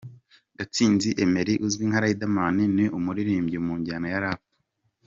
Gatsinzi Emery uzwi nka Riderman, ni umuririmbyi mu njyana ya Rap.